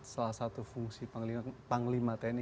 salah satu fungsi panglima tni